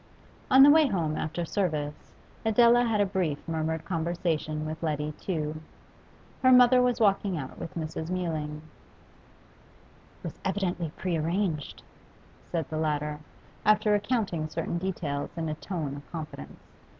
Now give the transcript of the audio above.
On the way home after service, Adela had a brief murmured conversation with Letty Tew. Her mother was walking out with Mrs. Mewling. 'It was evidently pre arranged,' said the latter, after recounting certain details in a tone of confidence.